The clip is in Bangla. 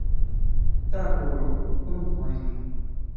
তা কোরো, কোনো ভয় নেই।